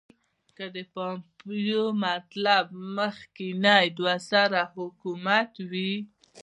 که د پومپیو مطلب مخکنی دوه سری حکومت وي.